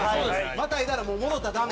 またいだら、もう戻ったらダメ。